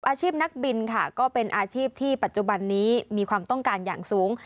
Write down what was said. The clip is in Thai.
อาชีพนักบินค่ะก็เป็นอาชีพที่ปัจจุบันนี้มีความต้องการอย่างสูง